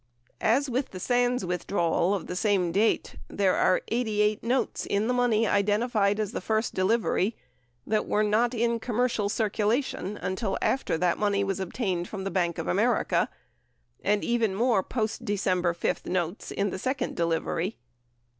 — As with the Sands withdrawal of the same date, there 977 are 88 notes in the money identified as the first delivery that were not in commercial circulation until after the money was obtained from the Bank of America, and even more post December 5 notes in the second delivery.